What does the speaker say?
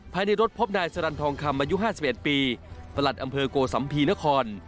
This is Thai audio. ภายในรถพบนายสรรทองคำอายุ๕๑ปีประหลัดอำเภอโกสัมภีนคร